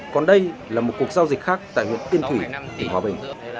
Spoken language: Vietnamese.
còn đây là một cuộc giao dịch khác tại huyện tiên thủy tỉnh hòa bình